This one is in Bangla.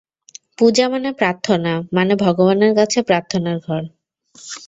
পূজা মনে প্রার্থনা মানে ভগবানের কাছে প্রার্থনার ঘর।